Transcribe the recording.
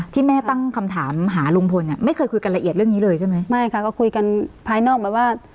แต่เขาเป็นผู้ชายเขารักลูกมากค่ะ